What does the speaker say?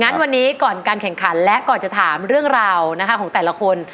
งั้นวันนี้ก่อนการแข่งขันและก่อนจะถามเรื่องราวนะคะของแต่ละคน